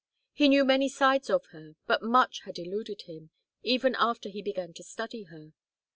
He knew many sides of her, but much had eluded him, even after he began to study her.